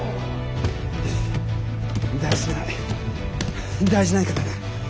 大事ない大事ないからな。